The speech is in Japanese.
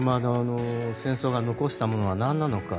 戦争が残したものはなんなのか。